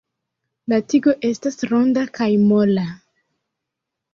La tigo estas ronda kaj mola.